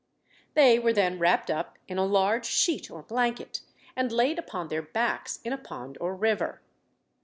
They were then wrapped up in a large sheet or blanket, and laid upon their backs in a pond or river.